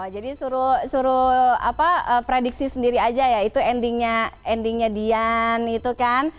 jadi suruh prediksi sendiri aja ya itu endingnya dian gitu kan